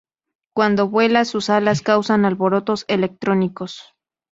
Cuando vuela sus alas causan alborotos electrónicos.